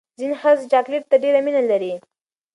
ځینې ښځې چاکلیټ ته ډېره مینه لري.